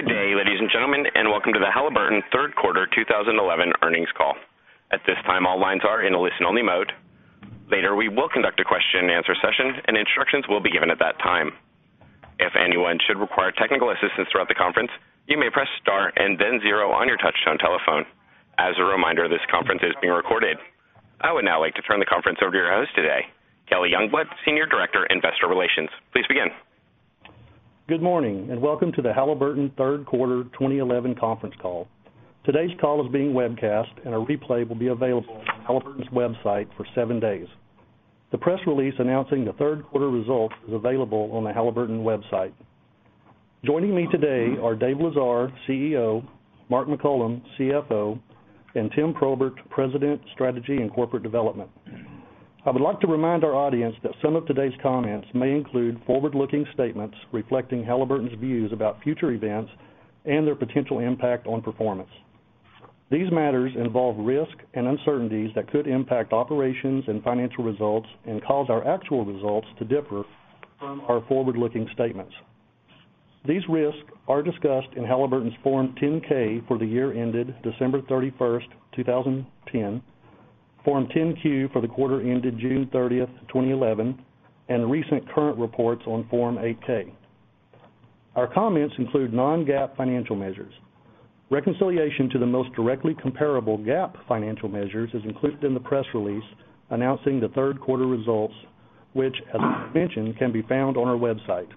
Good day, ladies and gentlemen, and welcome to the Halliburton Third Quarter 2011 Earnings Call. At this time, all lines are in a listen-only mode. Later, we will conduct a question-and-answer session, and instructions will be given at that time. If anyone should require technical assistance throughout the conference, you may press star and then zero on your touch-tone telephone. As a reminder, this conference is being recorded. I would now like to turn the conference over to our host today, Kelly Youngblood, Senior Director, Investor Relations. Please begin. Good morning, and welcome to the Halliburton Third Quarter 2011 Conference Call. Today's call is being webcast, and a replay will be available on Halliburton's website for seven days. The press release announcing the third quarter results is available on the Halliburton website. Joining me today are Dave Lesar, CEO, Mark McCollum, CFO, and Tim Probert, President, Strategy and Corporate Development. I would like to remind our audience that some of today's comments may include forward-looking statements reflecting Halliburton's views about future events and their potential impact on performance. These matters involve risks and uncertainties that could impact operations and financial results and cause our actual results to differ. Our forward-looking statements. These risks are discussed in Halliburton's Form 10-K for the year ended December 31st, 2010, Form 10-Q for the quarter ended June 30th, 2011, and recent current reports on Form 8-K. Our `comments include non-GAAP financial measures. Reconciliation to the most directly comparable GAAP financial measures is included in the press release announcing the third quarter results, which, as mentioned, can be found on our website.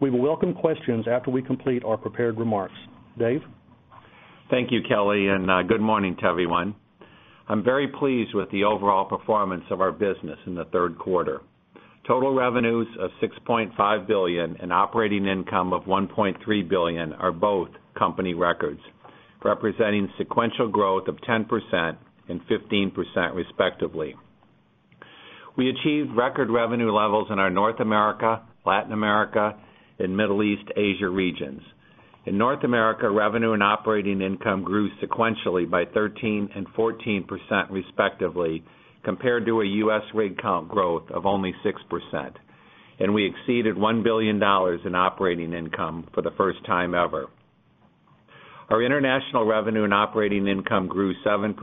We will welcome questions after we complete our prepared remarks. Dave? Thank you, Kelly, and good morning to everyone. I'm very pleased with the overall performance of our business in the third quarter. Total revenues of $6.5 billion operating income of $1.3 billion are both company records, representing sequential growth of 10% and 15% respectively. We achieved record revenue levels in our North America, Latin America, and Middle East/Asia regions. In North America, revenue operating income grew sequentially by 13% and 14% respectively, compared to a U.S. rate count growth of only 6%. We exceeded $1 billion operating income for the first time ever. Our international revenue operating income grew 7%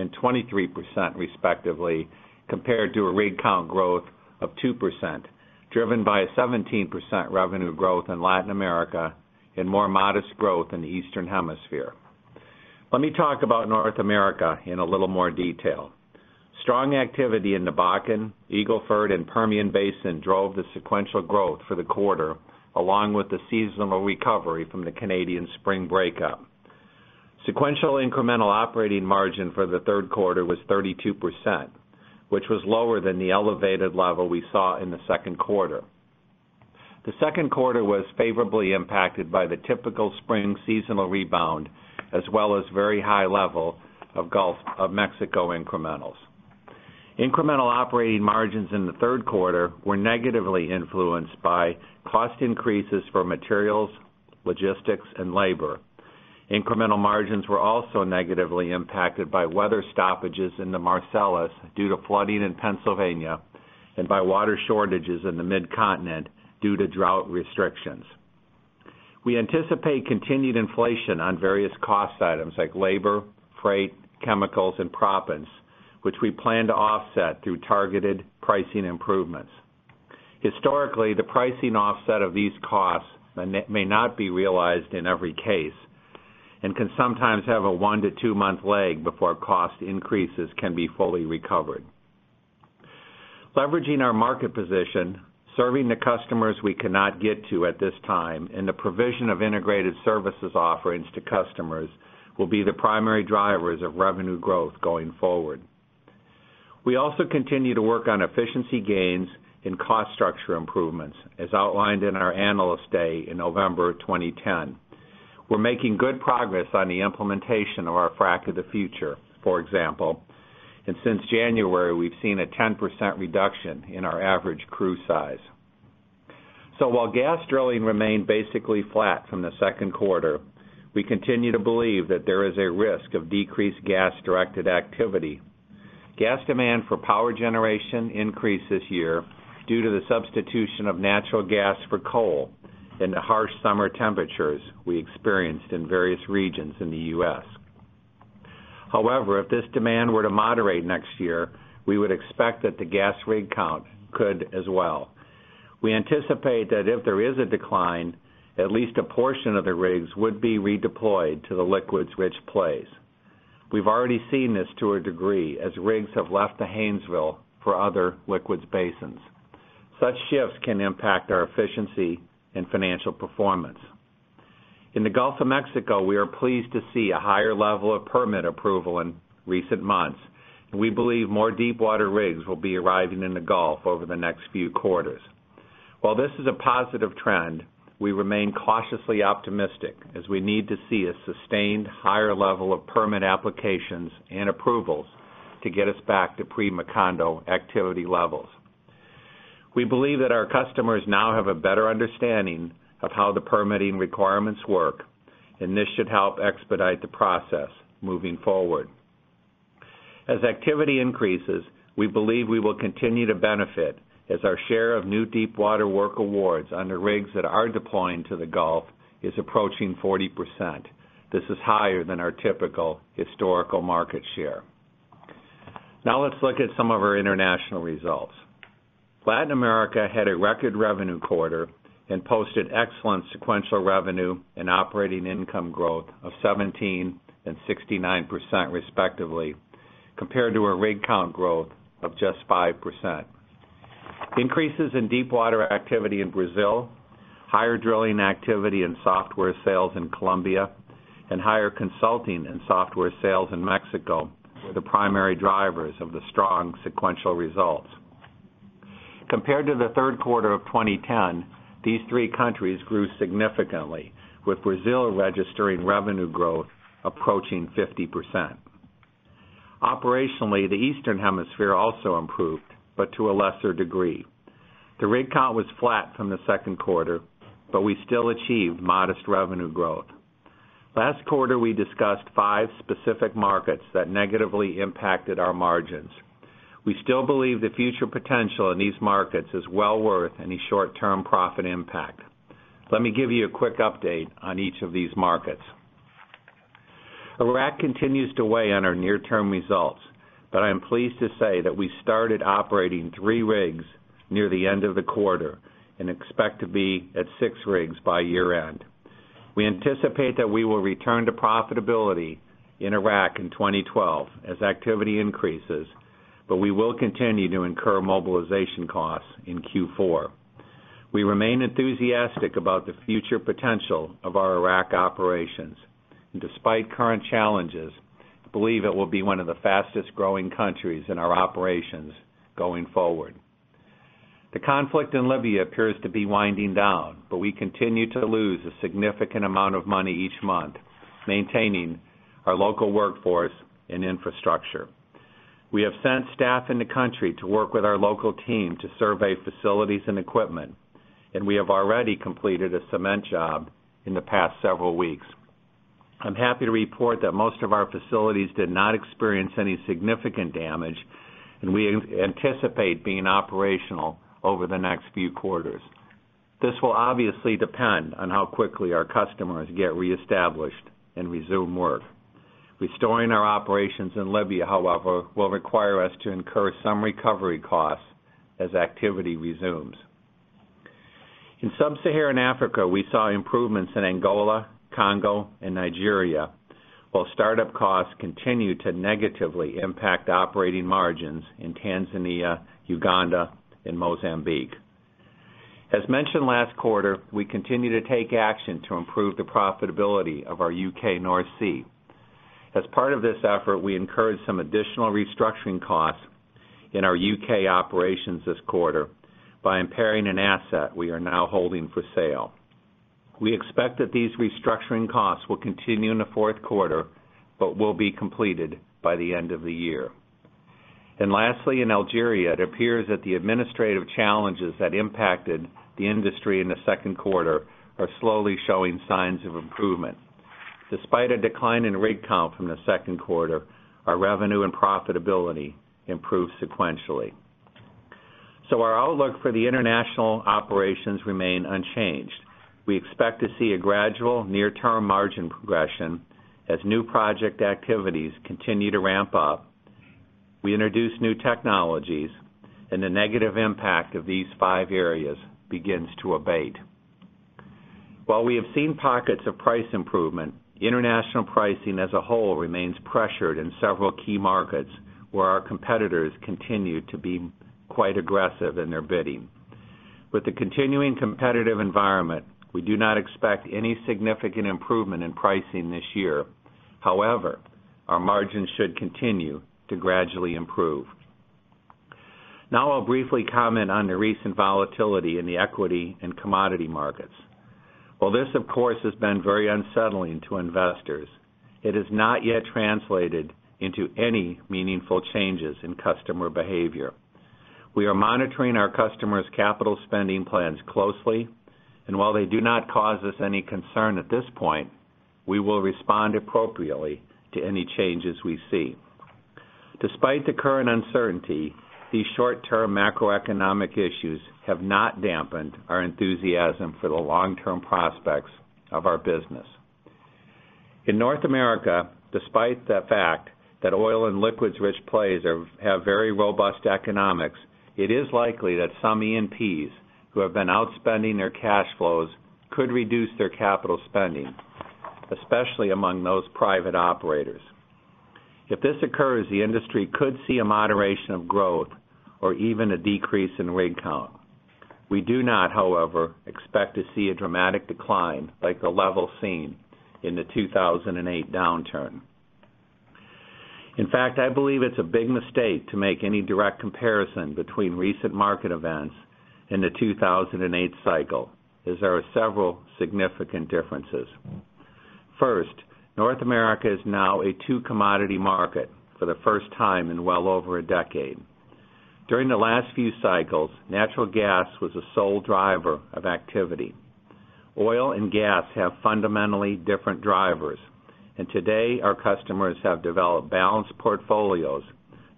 and 23% respectively, compared to a rate count growth of 2%, driven by a 17% revenue growth in Latin America and more modest growth in the Eastern Hemisphere. Let me talk about North America in a little more detail. Strong activity in the Bakken, Eagle Ford, and Permian Basin drove the sequential growth for the quarter, along with the seasonal recovery from the Canadian spring breakup. Sequential incremental operating margin for the third quarter was 32%, which was lower than the elevated level we saw in the second quarter. The second quarter was favorably impacted by the typical spring seasonal rebound, as well as the very high level of Gulf of Mexico incrementals. Incremental operating margins in the third quarter were negatively influenced by cost increases for materials, logistics, and labor. Incremental margins were also negatively impacted by weather stoppages in the Marcellus due to flooding in Pennsylvania and by water shortages in the Mid-Continent due to drought restrictions. We anticipate continued inflation on various cost items like labor, freight, chemicals, and proppants, which we plan to offset through targeted pricing improvements. Historically, the pricing offset of these costs may not be realized in every case and can sometimes have a one to two-month lag before cost increases can be fully recovered. Leveraging our market position, serving the customers we cannot get to at this time, and the provision of integrated services offerings to customers will be the primary drivers of revenue growth going forward. We also continue to work on efficiency gains and cost structure improvements, as outlined in our Analysts' Day in November 2010. We're making good progress on the implementation of our frack of the future, for example, and since January, we've seen a 10% reduction in our average crew size. While gas drilling remained basically flat from the second quarter, we continue to believe that there is a risk of decreased gas-directed activity. Gas demand for power generation increased this year due to the substitution of natural gas for coal and the harsh summer temperatures we experienced in various regions in the U.S. However, if this demand were to moderate next year, we would expect that the gas rig count could as well. We anticipate that if there is a decline, at least a portion of the rigs would be redeployed to the liquids-rich plays. We've already seen this to a degree as rigs have left the Haynesville for other liquids basins. Such shifts can impact our efficiency and financial performance. In the Gulf of Mexico, we are pleased to see a higher level of permit approval in recent months. We believe more deepwater rigs will be arriving in the Gulf over the next few quarters. While this is a positive trend, we remain cautiously optimistic as we need to see a sustained higher level of permit applications and approvals to get us back to pre-moratorium activity levels. We believe that our customers now have a better understanding of how the permitting requirements work, and this should help expedite the process moving forward. As activity increases, we believe we will continue to benefit as our share of new deepwater work awards under rigs that are deploying to the Gulf is approaching 40%. This is higher than our typical historical market share. Now let's look at some of our international results. Latin America had a record revenue quarter and posted excellent sequential revenue operating income growth of 17% and 69% respectively, compared to a rig count growth of just 5%. Increases in deepwater activity in Brazil, higher drilling activity and software sales in Colombia, and higher consulting and software sales in Mexico were the primary drivers of the strong sequential results. Compared to the third quarter of 2010, these three countries grew significantly, with Brazil registering revenue growth approaching 50%. Operationally, the Eastern Hemisphere also improved, but to a lesser degree. The rig count was flat from the second quarter, but we still achieved modest revenue growth. Last quarter, we discussed five specific markets that negatively impacted our margins. We still believe the future potential in these markets is well worth any short-term profit impact. Let me give you a quick update on each of these markets. Iraq continues to weigh on our near-term results, but I am pleased to say that we started operating three rigs near the end of the quarter and expect to be at six rigs by year-end. We anticipate that we will return to profitability in Iraq in 2012 as activity increases, but we will continue to incur mobilization costs in Q4. We remain enthusiastic about the future potential of our Iraq operations, and despite current challenges, I believe it will be one of the fastest growing countries in our operations going forward. The conflict in Libya appears to be winding down, but we continue to lose a significant amount of money each month maintaining our local workforce and infrastructure. We have sent staff in the country to work with our local team to survey facilities and equipment, and we have already completed a cement job in the past several weeks. I'm happy to report that most of our facilities did not experience any significant damage, and we anticipate being operational over the next few quarters. This will obviously depend on how quickly our customers get reestablished and resume work. Restoring our operations in Libya, however, will require us to incur some recovery costs as activity resumes. In Sub-Saharan Africa, we saw improvements in Angola, Congo, and Nigeria, while startup costs continue to negatively impact operating margins in Tanzania, Uganda, and Mozambique. As mentioned last quarter, we continue to take action to improve the profitability of our U.K. North Sea. As part of this effort, we incurred some additional restructuring costs in our U.K. operations this quarter by impairing an asset we are now holding for sale. We expect that these restructuring costs will continue in the fourth quarter but will be completed by the end of the year. Lastly, in Algeria, it appears that the administrative challenges that impacted the industry in the second quarter are slowly showing signs of improvement. Despite a decline in rig count from the second quarter, our revenue and profitability improved sequentially. Our outlook for the international operations remains unchanged. We expect to see a gradual near-term margin progression as new project activities continue to ramp up, we introduce new technologies, and the negative impact of these five areas begins to abate. While we have seen pockets of price improvement, international pricing as a whole remains pressured in several key markets where our competitors continue to be quite aggressive in their bidding. With the continuing competitive environment, we do not expect any significant improvement in pricing this year. However, our margins should continue to gradually improve. Now I'll briefly comment on the recent volatility in the equity and commodity markets. While this, of course, has been very unsettling to investors, it has not yet translated into any meaningful changes in customer behavior. We are monitoring our customers' capital spending plans closely, and while they do not cause us any concern at this point, we will respond appropriately to any changes we see. Despite the current uncertainty, these short-term macroeconomic issues have not dampened our enthusiasm for the long-term prospects of our business. In North America, despite the fact that oil and liquids-rich plays have very robust economics, it is likely that some E&Ps who have been outspending their cash flows could reduce their capital spending, especially among those private operators. If this occurs, the industry could see a moderation of growth or even a decrease in rate count. We do not, however, expect to see a dramatic decline like the levels seen in the 2008 downturn. In fact, I believe it's a big mistake to make any direct comparison between recent market events and the 2008 cycle, as there are several significant differences. First, North America is now a two-commodity market for the first time in well over a decade. During the last few cycles, natural gas was the sole driver of activity. Oil and gas have fundamentally different drivers, and today our customers have developed balanced portfolios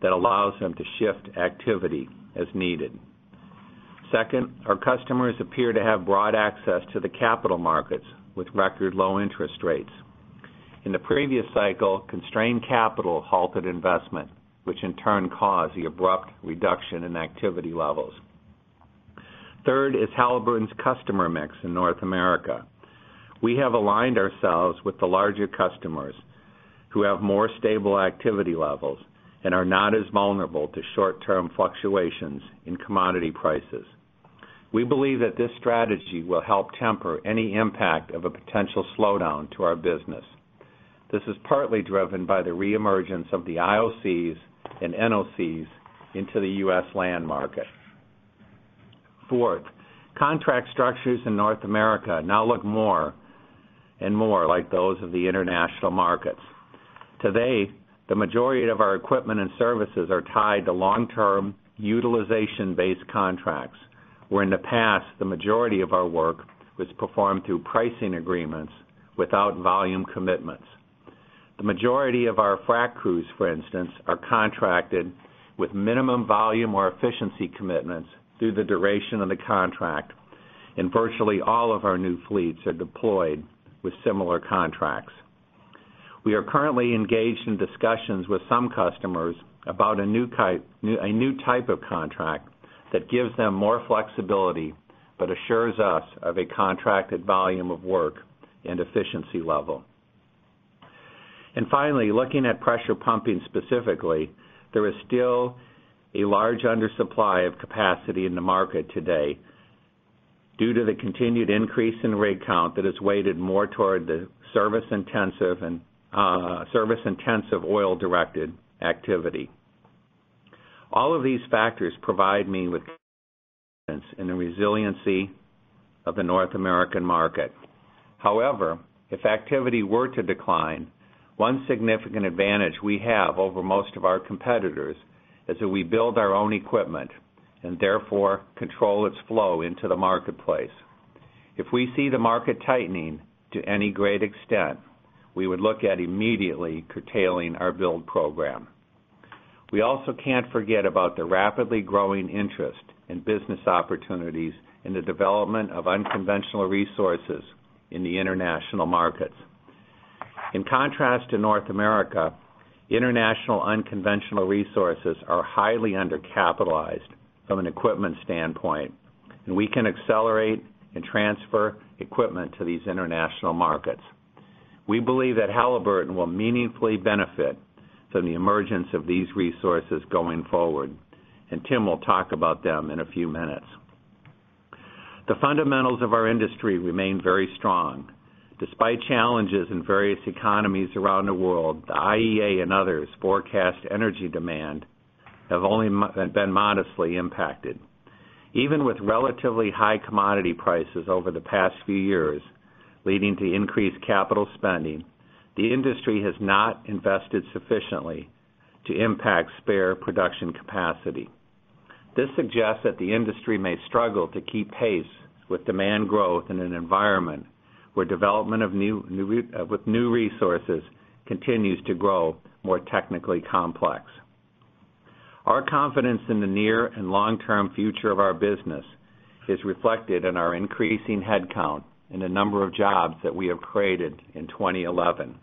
that allow them to shift activity as needed. Second, our customers appear to have broad access to the capital markets with record low interest rates. In the previous cycle, constrained capital halted investment, which in turn caused the abrupt reduction in activity levels. Third is Halliburton's customer mix in North America. We have aligned ourselves with the larger customers who have more stable activity levels and are not as vulnerable to short-term fluctuations in commodity prices. We believe that this strategy will help temper any impact of a potential slowdown to our business. This is partly driven by the re-emergence of the IOCs and NOCs into the U.S. land market. Fourth, contract structures in North America now look more and more like those of the international markets. Today, the majority of our equipment and services are tied to long-term utilization-based contracts, where in the past the majority of our work was performed through pricing agreements without volume commitments. The majority of our frack crews, for instance, are contracted with minimum volume or efficiency commitments through the duration of the contract, and virtually all of our new fleets are deployed with similar contracts. We are currently engaged in discussions with some customers about a new type of contract that gives them more flexibility but assures us of a contracted volume of work and efficiency level. Finally, looking at pressure pumping specifically, there is still a large undersupply of capacity in the market today due to the continued increase in rate count that is weighted more toward the service-intensive and service-intensive oil-directed activity. All of these factors provide me with confidence in the resiliency of the North American market. However, if activity were to decline, one significant advantage we have over most of our competitors is that we build our own equipment and therefore control its flow into the marketplace. If we see the market tightening to any great extent, we would look at immediately curtailing our build program. We also can't forget about the rapidly growing interest in business opportunities in the development of unconventional resources in the international markets. In contrast to North America, international unconventional resources are highly undercapitalized from an equipment standpoint, and we can accelerate and transfer equipment to these international markets. We believe that Halliburton will meaningfully benefit from the emergence of these resources going forward, and Tim will talk about them in a few minutes. The fundamentals of our industry remain very strong. Despite challenges in various economies around the world, the IEA and others forecast energy demand has only been modestly impacted. Even with relatively high commodity prices over the past few years, leading to increased capital spending, the industry has not invested sufficiently to impact spare production capacity. This suggests that the industry may struggle to keep pace with demand growth in an environment where development of new resources continues to grow more technically complex. Our confidence in the near and long-term future of our business is reflected in our increasing headcount and the number of jobs that we have created in 2011.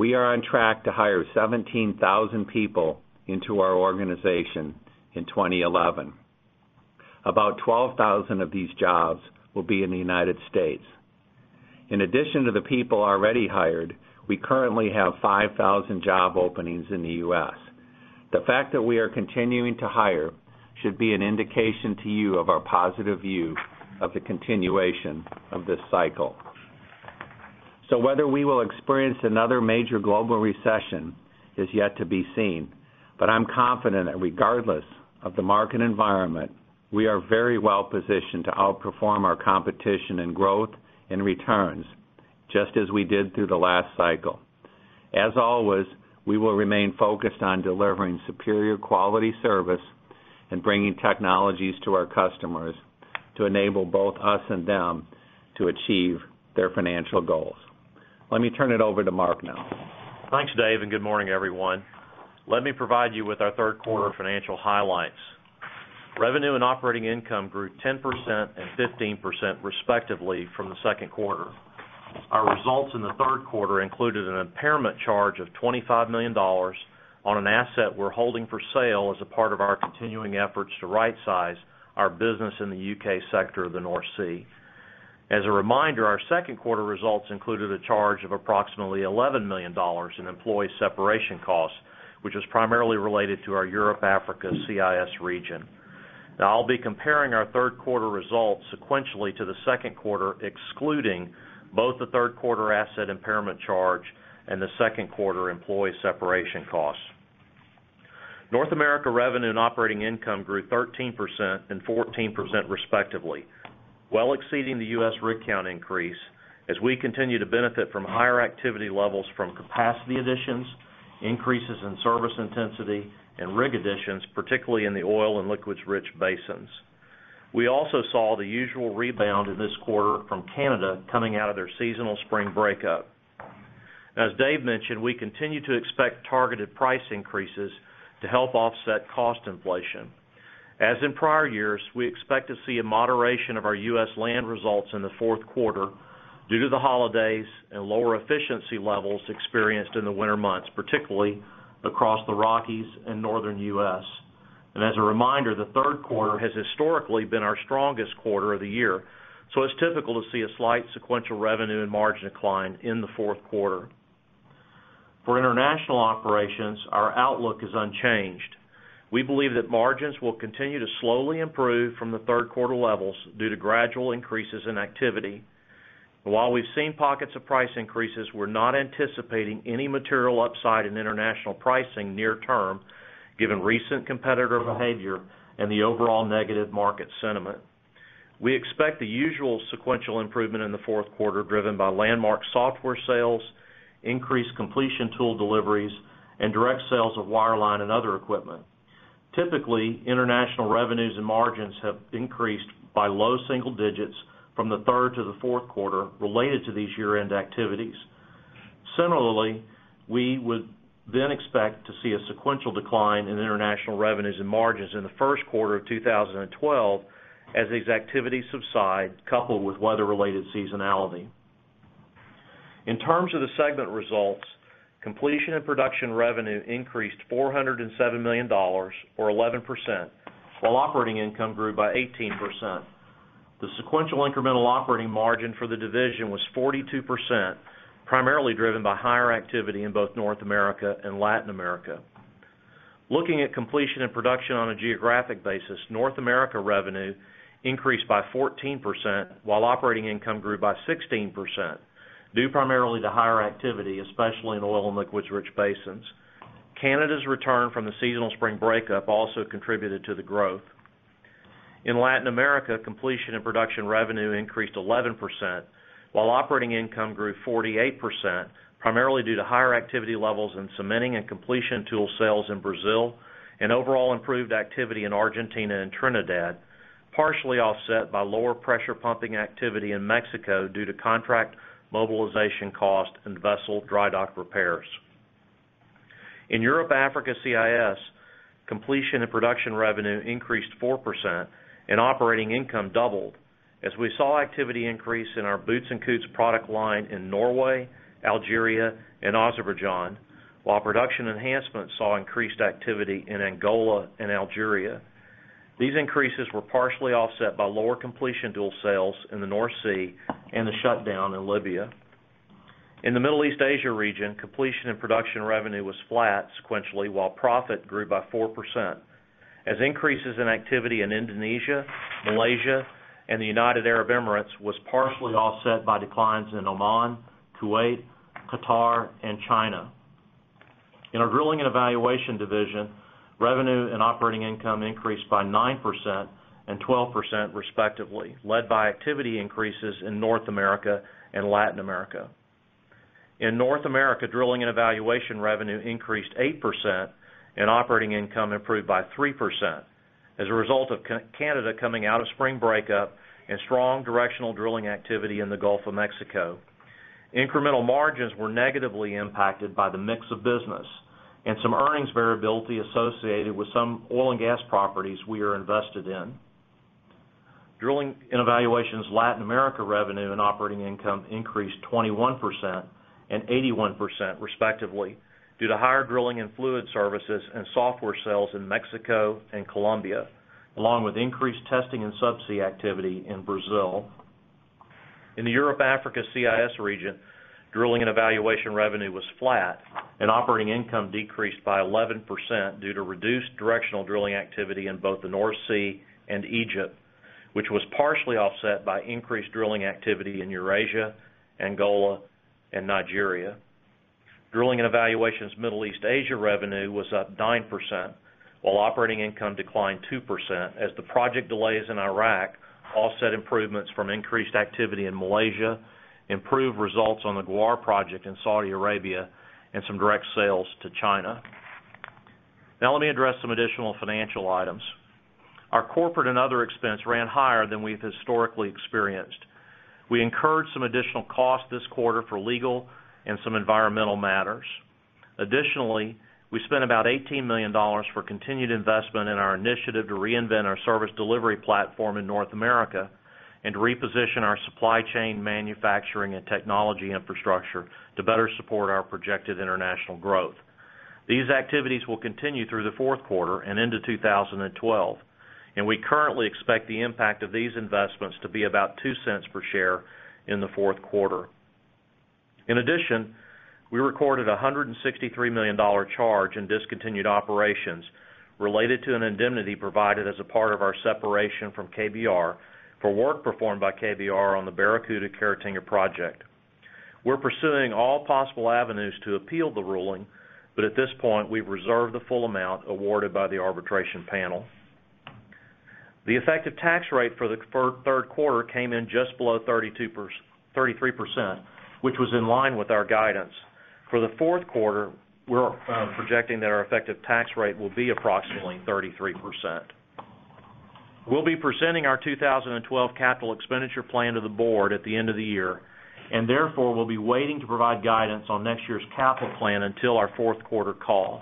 We are on track to hire 17,000 people into our organization in 2011. About 12,000 of these jobs will be in the U.S. In addition to the people already hired, we currently have 5,000 job openings in the U.S. The fact that we are continuing to hire should be an indication to you of our positive view of the continuation of this cycle. Whether we will experience another major global recession is yet to be seen, but I'm confident that regardless of the market environment, we are very well positioned to outperform our competition in growth and returns, just as we did through the last cycle. As always, we will remain focused on delivering superior quality service and bringing technologies to our customers to enable both us and them to achieve their financial goals. Let me turn it over to Mark now. Thanks, Dave, and good morning, everyone. Let me provide you with our third quarter financial highlights. Revenue operating income grew 10% and 15%, respectively, from the second quarter. Our results in the third quarter included an impairment charge of $25 million on an asset we're holding for sale as a part of our continuing efforts to right-size our business in the U.K. sector of the North Sea. As a reminder, our second quarter results included a charge of approximately $11 million in employee separation costs, which was primarily related to our Europe/Africa CIS region. Now, I'll be comparing our third quarter results sequentially to the second quarter, excluding both the third quarter asset impairment charge and the second quarter employee separation costs. North America revenue operating income grew 13% and 14%, respectively, well exceeding the U.S. rig count increase, as we continue to benefit from higher activity levels from capacity additions, increases in service intensity, and rate additions, particularly in the oil and liquids-rich basins. We also saw the usual rebound in this quarter from Canada coming out of their seasonal spring breakup. As Dave mentioned, we continue to expect targeted price increases to help offset cost inflation. As in prior years, we expect to see a moderation of our U.S. land results in the fourth quarter due to the holidays and lower efficiency levels experienced in the winter months, particularly across the Rockies and Northern U.S. The third quarter has historically been our strongest quarter of the year, so it's typical to see a slight sequential revenue and margin decline in the fourth quarter. For international operations, our outlook is unchanged. We believe that margins will continue to slowly improve from the third quarter levels due to gradual increases in activity. While we've seen pockets of price increases, we're not anticipating any material upside in international pricing near term, given recent competitor behavior and the overall negative market sentiment. We expect the usual sequential improvement in the fourth quarter, driven by landmark software sales, increased completion tool deliveries, and direct sales of wireline and other equipment. Typically, international revenues and margins have increased by low single digits from the third to the fourth quarter related to these year-end activities. Similarly, we would then expect to see a sequential decline in international revenues and margins in the first quarter of 2012 as these activities subside, coupled with weather-related seasonality. In terms of the segment results, Completion and Production revenue increased $407 million, or 11%, operating income grew by 18%. The sequential incremental operating margin for the division was 42%, primarily driven by higher activity in both North America and Latin America. Looking at Completion and Production on a geographic basis, North America revenue increased by 14%, operating income grew by 16%, due primarily to higher activity, especially in oil and liquids-rich basins. Canada's return from the seasonal spring breakup also contributed to the growth. In Latin America, Completion and Production revenue increased 11%, operating income grew 48%, primarily due to higher activity levels in cementing and completion tool sales in Brazil and overall improved activity in Argentina and Trinidad, partially offset by lower pressure pumping activity in Mexico due to contract mobilization costs and vessel dry dock repairs. In Europe/Africa CIS, Completion and Production revenue increased 4%, operating income doubled, as we saw activity increase in our Boots and Coots product line in Norway, Algeria, and Azerbaijan, while Production Enhancement saw increased activity in Angola and Algeria. These increases were partially offset by lower completion tool sales in the North Sea and the shutdown in Libya. In the Middle East/Asia region, Completion and Production revenue was flat sequentially, while profit grew by 4%, as increases in activity in Indonesia, Malaysia, and the United Arab Emirates were partially offset by declines in Oman, Kuwait, Qatar, and China. In our Drilling and Evaluation division, revenue operating income increased by 9% and 12% respectively, led by activity increases in North America and Latin America. In North America, Drilling and Evaluation revenue increased 8%, operating income improved by 3% as a result of Canada coming out of spring breakup and strong directional drilling activity in the Gulf of Mexico. Incremental margins were negatively impacted by the mix of business and some earnings variability associated with some oil and gas properties we are invested in. Drilling and Evaluation's Latin America revenue and operating income increased 21% and 81%, respectively, due to higher drilling and fluid services and software sales in Mexico and Colombia, along with increased testing and subsea activity in Brazil. In the Europe/Africa CIS region, Drilling and Evaluation revenue was flat, operating income decreased by 11% due to reduced directional drilling activity in both the North Sea and Egypt, which was partially offset by increased drilling activity in Eurasia, Angola, and Nigeria. Drilling and Evaluation's Middle East/Asia revenue was up 9%, operating income declined 2% as the project delays in Iraq offset improvements from increased activity in Malaysia, improved results on the Guar project in Saudi Arabia, and some direct sales to China. Now let me address some additional financial items. Our corporate and other expense ran higher than we've historically experienced. We incurred some additional costs this quarter for legal and some environmental matters. Additionally, we spent about $18 million for continued investment in our initiative to reinvent our service delivery platform in North America and reposition our supply chain manufacturing and technology infrastructure to better support our projected international growth. These activities will continue through the fourth quarter and into 2012, and we currently expect the impact of these investments to be about $0.02 per share in the fourth quarter. In addition, we recorded a $163 million charge in discontinued operations related to an indemnity provided as a part of our separation from KBR for work performed by KBR on the Barracuda Caretaker project. We're pursuing all possible avenues to appeal the ruling, but at this point, we've reserved the full amount awarded by the arbitration panel. The effective tax rate for the third quarter came in just below 33%, which was in line with our guidance. For the fourth quarter, we're projecting that our effective tax rate will be approximately 33%. We'll be presenting our 2012 capital expenditure plan to the board at the end of the year, and therefore, we'll be waiting to provide guidance on next year's capital plan until our fourth quarter call.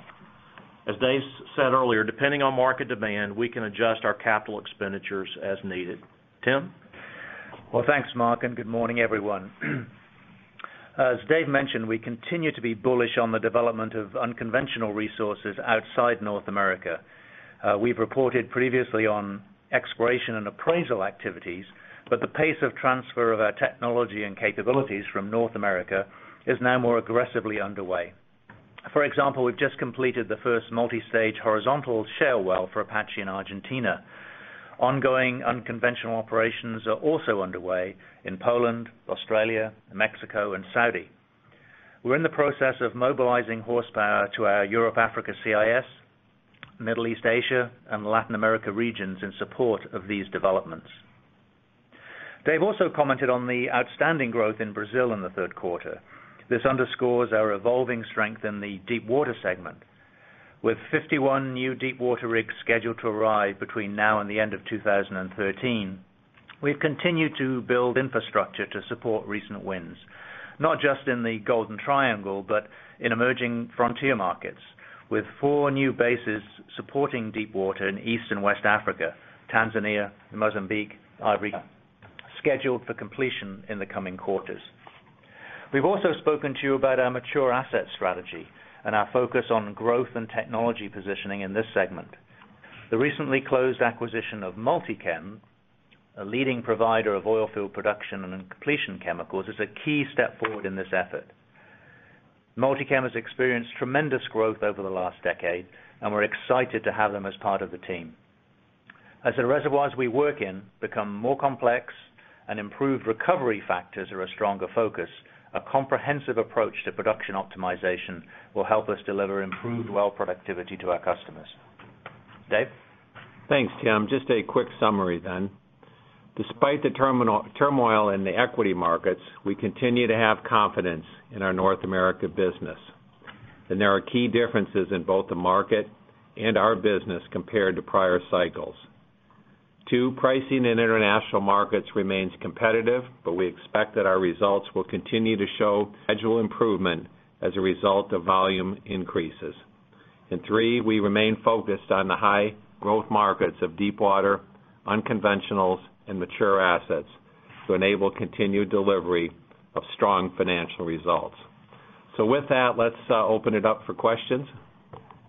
As Dave said earlier, depending on market demand, we can adjust our capital expenditures as needed. Tim? Thank you, Mark, and good morning, everyone. As Dave mentioned, we continue to be bullish on the development of unconventional resources outside North America. We've reported previously on exploration and appraisal activities, but the pace of transfer of our technology and capabilities from North America is now more aggressively underway. For example, we've just completed the first multi-stage horizontal shale well for Apache in Argentina. Ongoing unconventional operations are also underway in Poland, Australia, Mexico, and Saudi. We're in the process of mobilizing horsepower to our Europe/Africa CIS, Middle East/Asia, and Latin America regions in support of these developments. Dave also commented on the outstanding growth in Brazil in the third quarter. This underscores our evolving strength in the deepwater segment. With 51 new deepwater rigs scheduled to arrive between now and the end of 2013, we've continued to build infrastructure to support recent wins, not just in the Golden Triangle but in emerging frontier markets, with four new bases supporting deepwater in East and West Africa, Tanzania, and Mozambique scheduled for completion in the coming quarters. We've also spoken to you about our mature asset strategy and our focus on growth and technology positioning in this segment. The recently closed acquisition of Multicem, a leading provider of oilfield production and completion chemicals, is a key step forward in this effort. Multicem has experienced tremendous growth over the last decade, and we're excited to have them as part of the team. As the reservoirs we work in become more complex and improved recovery factors are a stronger focus, a comprehensive approach to production optimization will help us deliver improved well productivity to our customers. Dave? Thanks, Tim. Just a quick summary then. Despite the turmoil in the equity markets, we continue to have confidence in our North America business, and there are key differences in both the market and our business compared to prior cycles. Two, pricing in international markets remains competitive, but we expect that our results will continue to show gradual improvement as a result of volume increases. Three, we remain focused on the high-growth markets of deepwater, unconventionals, and mature assets to enable continued delivery of strong financial results. With that, let's open it up for questions.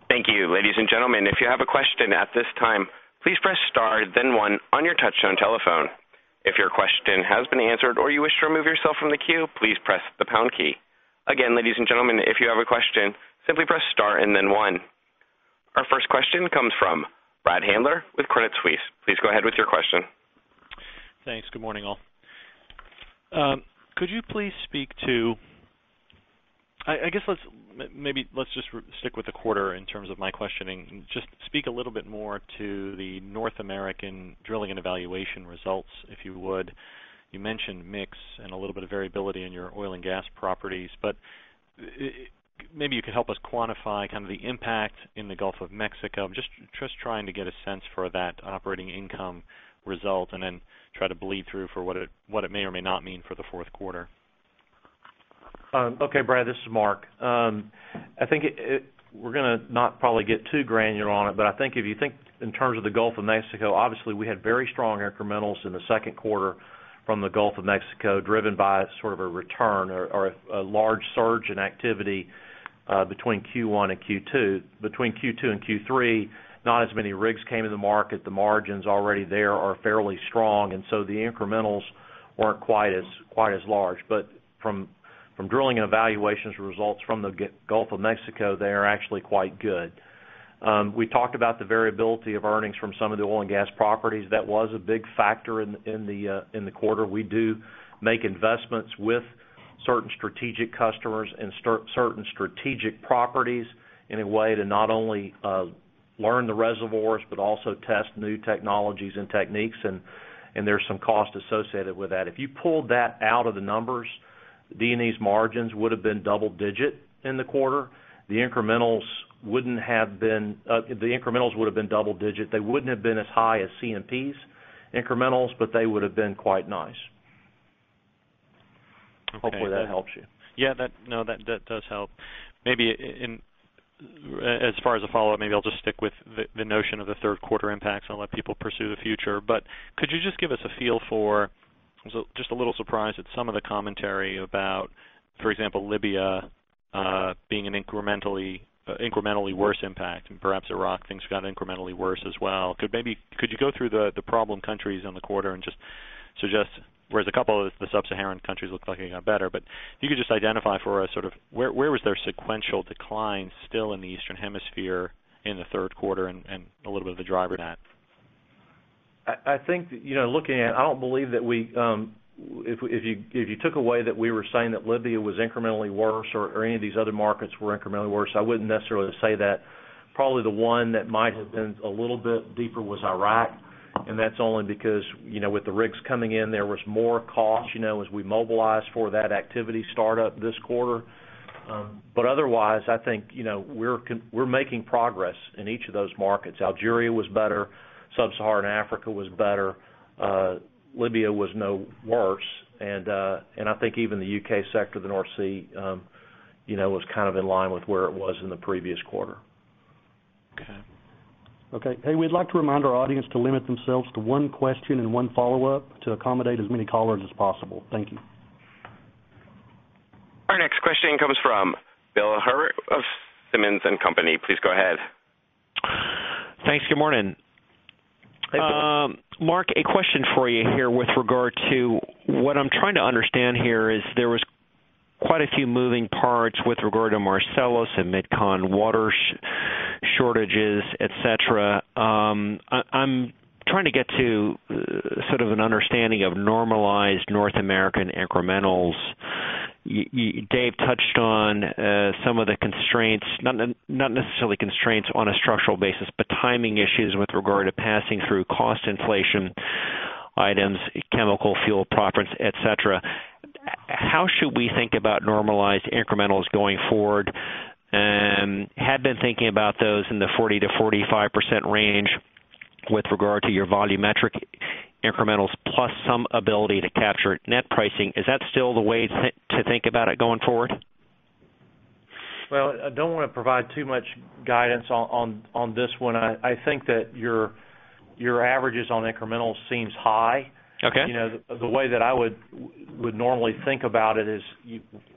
Thank you, ladies and gentlemen. If you have a question at this time, please press star and then one on your touch-tone telephone. If your question has been answered or you wish to remove yourself from the queue, please press the pound key. Again, ladies and gentlemen, if you have a question, simply press star and then one. Our first question comes from Brad Handler with Credit Suisse. Please go ahead with your question. Thanks. Good morning, all. Could you please speak to, I guess let's maybe just stick with the quarter in terms of my questioning, just speak a little bit more to the North American Drilling and Evaluation results, if you would. You mentioned mix and a little bit of variability in your oil and gas properties, but maybe you could help us quantify kind of the impact in the Gulf of Mexico, just trying to get a sense for operating income result and then try to bleed through for what it may or may not mean for the fourth quarter. Okay, Brad, this is Mark. I think we're going to not probably get too granular on it, but I think if you think in terms of the Gulf of Mexico, obviously we had very strong incrementals in the second quarter from the Gulf of Mexico, driven by sort of a return or a large surge in activity between Q1 and Q2. Between Q2 and Q3, not as many rigs came in the market. The margins already there are fairly strong, and the incrementals weren't quite as large, but from drilling and evaluations results from the Gulf of Mexico, they are actually quite good. We talked about the variability of earnings from some of the oil and gas properties. That was a big factor in the quarter. We do make investments with certain strategic customers and certain strategic properties in a way to not only learn the reservoirs but also test new technologies and techniques, and there's some cost associated with that. If you pulled that out of the numbers, D&E's margins would have been double-digit in the quarter. The incrementals would have been double-digit. They wouldn't have been as high as C&P's incrementals, but they would have been quite nice. Hopefully, that helps you. Yeah, no, that does help. Maybe as far as a follow-up, maybe I'll just stick with the notion of the third quarter impacts and let people pursue the future. Could you just give us a feel for, just a little surprise at some of the commentary about, for example, Libya being an incrementally worse impact, and perhaps Iraq got incrementally worse as well. Could you go through the problem countries in the quarter and just suggest, whereas a couple of the Sub-Saharan countries look like it got better, if you could just identify for us sort of where was there sequential decline still in the Eastern Hemisphere in the third quarter and a little bit of the driver. I think, looking at, I don't believe that if you took away that we were saying that Libya was incrementally worse or any of these other markets were incrementally worse, I wouldn't necessarily say that. Probably the one that might have been a little bit deeper was Iraq, and that's only because with the rigs coming in, there was more cost as we mobilized for that activity startup this quarter. Otherwise, I think we're making progress in each of those markets. Algeria was better, Sub-Saharan Africa was better, Libya was no worse, and I think even the U.K. sector of the North Sea was kind of in line with where it was in the previous quarter. Okay. We'd like to remind our audience to limit themselves to one question and one follow-up to accommodate as many callers as possible. Thank you. Our next question comes from Bill Herbert of Simmons & Company. Please go ahead. Thanks. Good morning. Mark, a question for you here with regard to what I'm trying to understand here is there were quite a few moving parts with regard to Marcellus and mid-con water shortages, et cetera. I'm trying to get to sort of an understanding of normalized North American incrementals. Dave touched on some of the constraints, not necessarily constraints on a structural basis, but timing issues with regard to passing through cost inflation items, chemical fuel preference, et cetera. How should we think about normalized incrementals going forward? I had been thinking about those in the 40%-45% range with regard to your volumetric incrementals plus some ability to capture net pricing. Is that still the way to think about it going forward? I don't want to provide too much guidance on this one. I think that your averages on incrementals seem high. The way that I would normally think about it is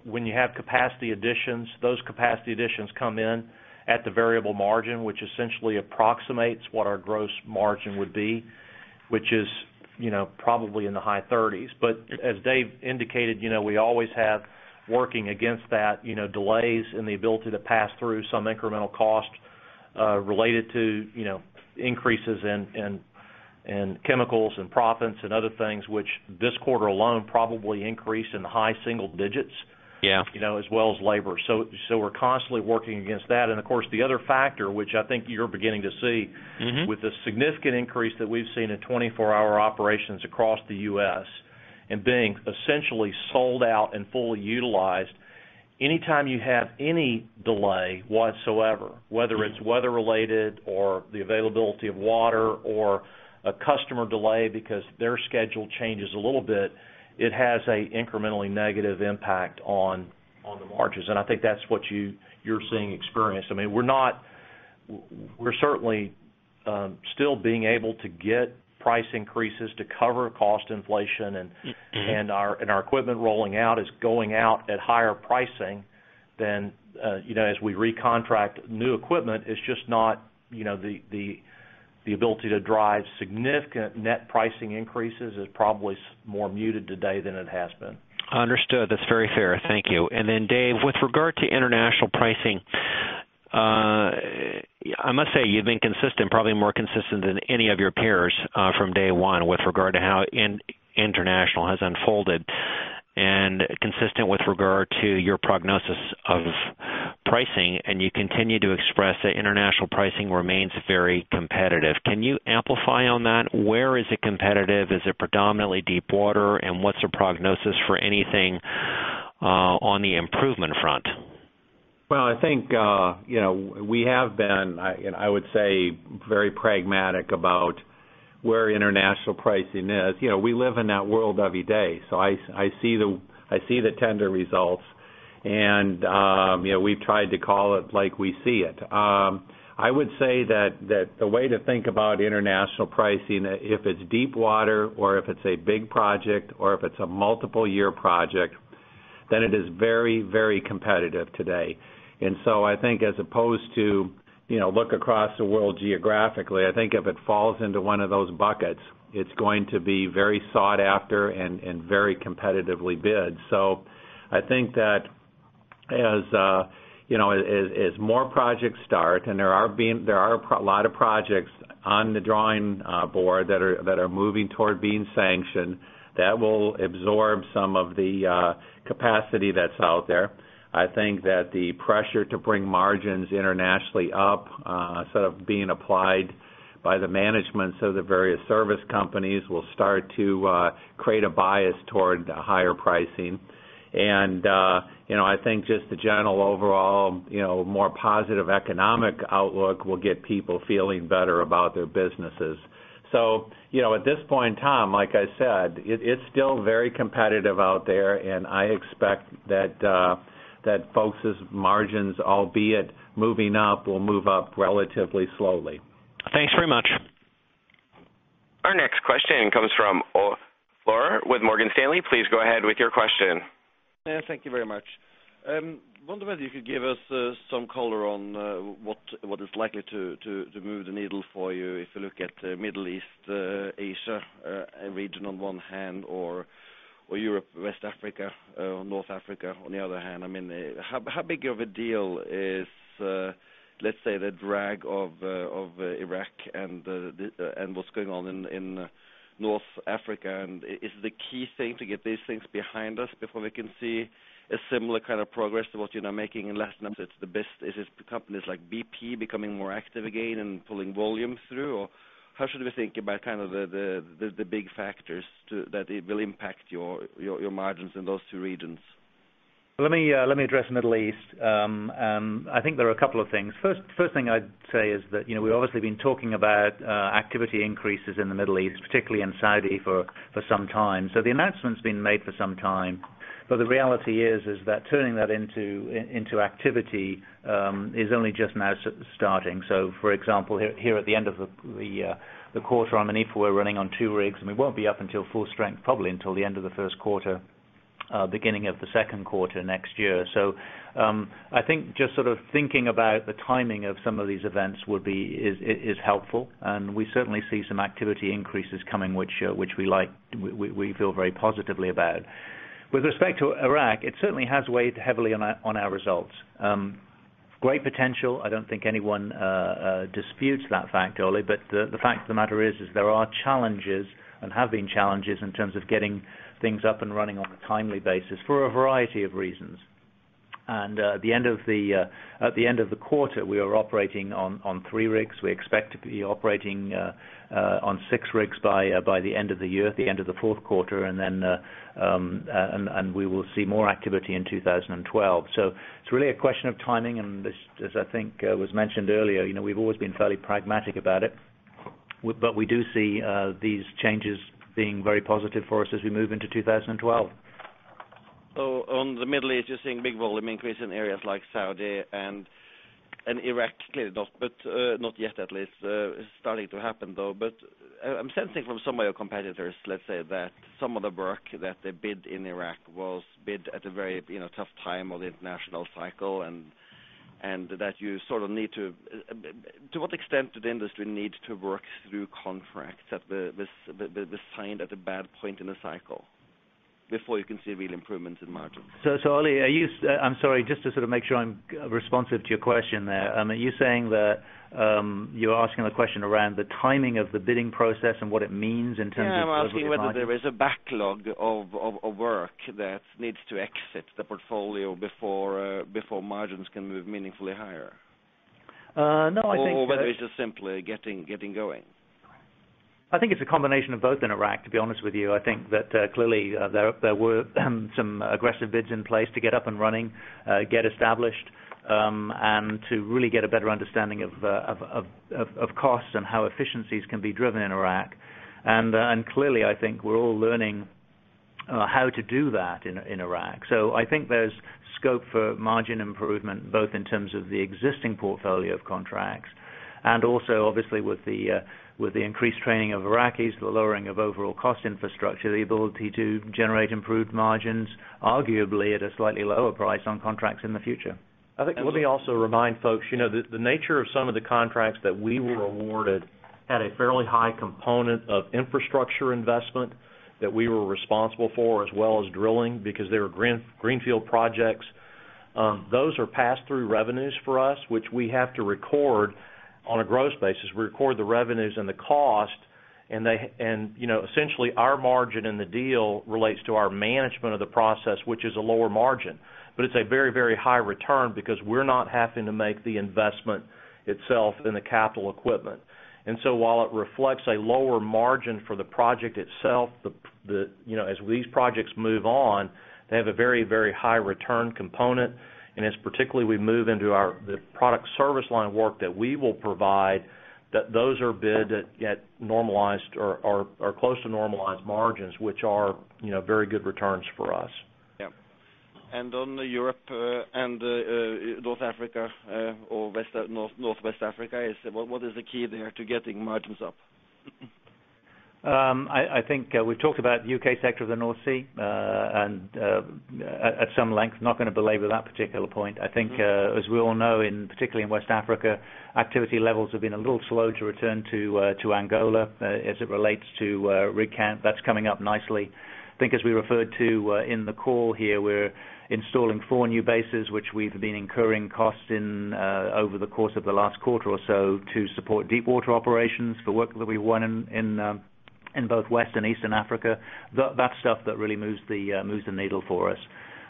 when you have capacity additions, those capacity additions come in at the variable margin, which essentially approximates what our gross margin would be, which is probably in the high 30s. As Dave indicated, we always have working against that, delays in the ability to pass through some incremental cost related to increases in chemicals and profits and other things, which this quarter alone probably increased in the high single digits, as well as labor. We're constantly working against that. Of course, the other factor, which I think you're beginning to see with the significant increase that we've seen in 24-hour operations across the U.S. and being essentially sold out and fully utilized, anytime you have any delay whatsoever, whether it's weather-related or the availability of water or a customer delay because their schedule changes a little bit, it has an incrementally negative impact on the margins. I think that's what you're seeing experienced. We're certainly still being able to get price increases to cover cost inflation, and our equipment rolling out is going out at higher pricing than as we recontract new equipment. It's just not the ability to drive significant net pricing increases is probably more muted today than it has been. Understood. That's very fair. Thank you. Dave, with regard to international pricing, I must say you've been consistent, probably more consistent than any of your peers from day one with regard to how international has unfolded and consistent with regard to your prognosis of pricing, and you continue to express that international pricing remains very competitive. Can you amplify on that? Where is it competitive? Is it predominantly deepwater? What's your prognosis for anything on the improvement front? I think, you know, we have been, I would say, very pragmatic about where international pricing is. You know, we live in that world every day. I see the tender results, and you know, we've tried to call it like we see it. I would say that the way to think about international pricing, if it's deepwater or if it's a big project or if it's a multiple-year project, then it is very, very competitive today. I think as opposed to, you know, look across the world geographically, I think if it falls into one of those buckets, it's going to be very sought after and very competitively bid. I think that as more projects start, and there are a lot of projects on the drawing board that are moving toward being sanctioned, that will absorb some of the capacity that's out there. I think that the pressure to bring margins internationally up, sort of being applied by the managements of the various service companies, will start to create a bias toward higher pricing. You know, I think just the general overall, you know, more positive economic outlook will get people feeling better about their businesses. At this point in time, like I said, it's still very competitive out there, and I expect that folks' margins, albeit moving up, will move up relatively slowly. Thanks very much. Our next question comes from Ole Slorer with Morgan Stanley. Please go ahead with your question. Yeah, thank you very much. I wonder whether you could give us some color on what is likely to move the needle for you if you look at the Middle East/Asia region on one hand, or Europe, West Africa, North Africa on the other hand. I mean, how big of a deal is, let's say, the drag of Iraq and what's going on in North Africa? Is the key thing to get these things behind us before we can see a similar kind of progress to what you're now making in Latin? Is it the best? Is it companies like BP becoming more active again and pulling volume through? How should we think about kind of the big factors that will impact your margins in those two regions? Let me address the Middle East. I think there are a couple of things. First thing I'd say is that, you know, we've obviously been talking about activity increases in the Middle East, particularly in Saudi, for some time. The announcement's been made for some time, but the reality is that turning that into activity is only just now starting. For example, here at the end of the quarter, I'm in Ifa, we're running on two rigs, and we won't be up until full strength probably until the end of the first quarter, beginning of the second quarter next year. I think just sort of thinking about the timing of some of these events would be helpful, and we certainly see some activity increases coming, which we like, we feel very positively about. With respect to Iraq, it certainly has weighed heavily on our results. Great potential. I don't think anyone disputes that fact, Ole, but the fact of the matter is there are challenges and have been challenges in terms of getting things up and running on a timely basis for a variety of reasons. At the end of the quarter, we are operating on three rigs. We expect to be operating on six rigs by the end of the year, at the end of the fourth quarter, and we will see more activity in 2012. It's really a question of timing, and as I think was mentioned earlier, you know, we've always been fairly pragmatic about it, but we do see these changes being very positive for us as we move into 2012. On the Middle East, you're seeing big volume increase in areas like Saudi and Iraq, clearly not yet at least. It's starting to happen though. I'm sensing from some of your competitors that some of the work that they bid in Iraq was bid at a very tough time of the international cycle and that you sort of need to, to what extent did the industry need to work through contracts that were signed at a bad point in the cycle before you can see real improvements in margin? Are you, I'm sorry, just to sort of make sure I'm responsive to your question there. I mean, are you saying that you're asking a question around the timing of the bidding process and what it means in terms of? Yeah, I'm asking whether there is a backlog of work that needs to exit the portfolio before margins can move meaningfully higher. No, I think. Whether it's just simply getting going. I think it's a combination of both in Iraq, to be honest with you. I think that clearly there were some aggressive bids in place to get up and running, get established, and to really get a better understanding of costs and how efficiencies can be driven in Iraq. I think we're all learning how to do that in Iraq. I think there's scope for margin improvement both in terms of the existing portfolio of contracts and also obviously with the increased training of Iraqis, the lowering of overall cost infrastructure, the ability to generate improved margins, arguably at a slightly lower price on contracts in the future. I think let me also remind folks, you know, the nature of some of the contracts that we were awarded had a fairly high component of infrastructure investment that we were responsible for as well as drilling because they were greenfield projects. Those are passed through revenues for us, which we have to record on a gross basis. We record the revenues and the cost, and essentially our margin in the deal relates to our management of the process, which is a lower margin. It is a very, very high return because we're not having to make the investment itself in the capital equipment. While it reflects a lower margin for the project itself, as these projects move on, they have a very, very high return component. As particularly we move into the product service line work that we will provide, those are bid at normalized or close to normalized margins, which are, you know, very good returns for us. Yeah, on the Europe and North Africa or Northwest Africa, what is the key there to getting margins up? I think we've talked about the U.K. sector of the North Sea at some length, not going to belabor that particular point. I think, as we all know, particularly in West Africa, activity levels have been a little slow to return to Angola as it relates to rate count. That's coming up nicely. I think, as we referred to in the call here, we're installing four new bases, which we've been incurring costs in over the course of the last quarter or so to support deepwater operations for work that we've won in both West and Eastern Africa. That's stuff that really moves the needle for us.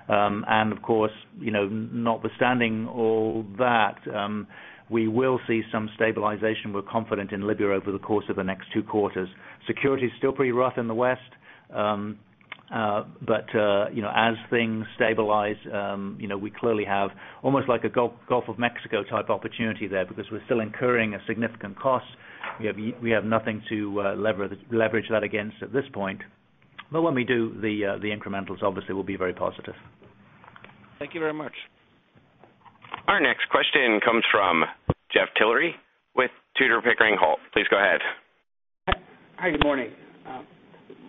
Of course, notwithstanding all that, we will see some stabilization. We're confident in Libya over the course of the next two quarters. Security is still pretty rough in the West, but as things stabilize, we clearly have almost like a Gulf of Mexico type opportunity there because we're still incurring a significant cost. We have nothing to leverage that against at this point. When we do, the incrementals obviously will be very positive. Thank you very much. Our next question comes from Jeff Tillery with Tudor Pickering Holt. Please go ahead. Hi, good morning.